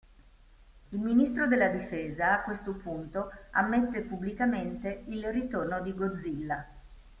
Il ministro della difesa a questo punto ammette pubblicamente il ritorno di Godzilla.